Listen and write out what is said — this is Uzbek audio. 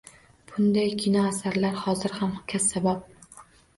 Bunday kinoasarlar hozir ham kassabop